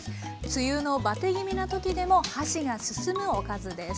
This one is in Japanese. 梅雨のバテ気味な時でも箸が進むおかずです。